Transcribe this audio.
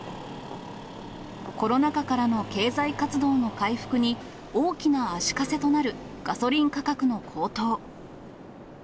コロナ禍からの経済活動の回復に、大きな足かせとなるガソリン価格の高騰。